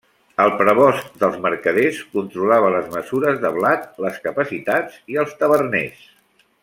El Prebost dels mercaders controlava les mesures de blat, les capacitats i als taverners.